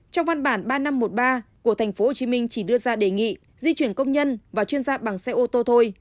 trong văn bản ba nghìn năm trăm một mươi ba của tp hcm chỉ đưa ra đề nghị di chuyển công nhân và chuyên gia bằng xe ô tô thôi